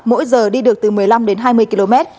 mỗi giờ đi được từ một mươi năm đến hai mươi km